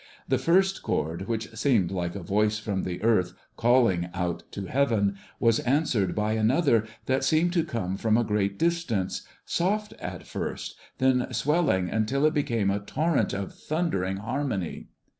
The first chord, which seemed like a voice from the earth calling out to heaven, was answered by another, that seemed to come from a great distance, soft at first, then swelling until it became a torrent of thundering harmony.